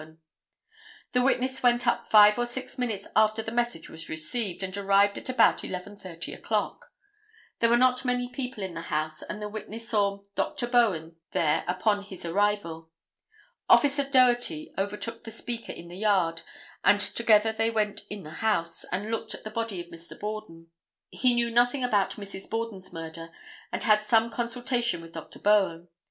The witness went up five or six minutes after the message was received and arrived at about 11:30 o'clock. There were not many people in the house and the witness saw Dr. Bowen there upon his arrival. Officer Doherty overtook the speaker in the yard, and together they went in the house, and looked at the body of Mr. Borden. He knew nothing about Mrs. Borden's murder and had some consultation with Dr. Bowen.